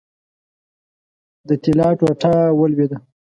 د طلا ټوټه ولوېده.